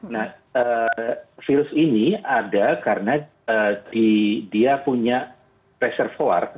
nah virus ini ada karena dia punya preservoir